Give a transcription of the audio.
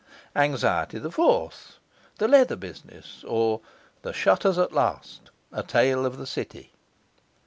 Anxiety the Fourth: The Leather Business; or, The Shutters at Last: a Tale of the City.